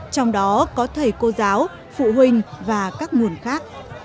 trong đó có thầy cô giáo phụ huynh và các nguồn khác